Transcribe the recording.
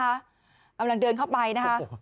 กำลังเดินเข้าไปนะคะ